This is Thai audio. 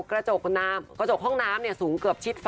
กระจกห้องน้ำสูงเกือบชิด